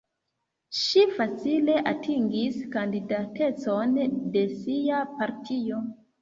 Ŝi facile atingis kandidatecon de sia partio.